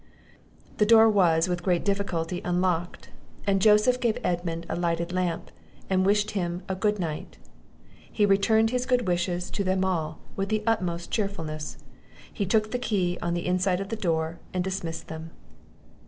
The door was with great difficulty unlocked, and Joseph gave Edmund a lighted lamp, and wished him a good night; he returned his good wishes to them all with the utmost cheerfulness, took the key on the inside of the door, and dismissed them.